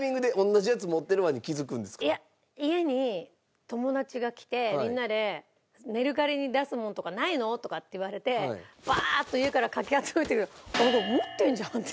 家に友達が来てみんなで「メルカリに出すものとかないの？」とかって言われてバーッと家からかき集めてあら持ってんじゃんって。